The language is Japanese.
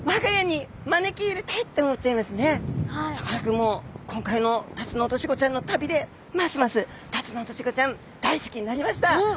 やっぱりさかなクンも今回のタツノオトシゴちゃんの旅でますますタツノオトシゴちゃん大好きになりました。